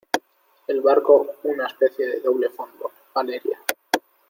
el barco, una especie de doble fondo. Valeria .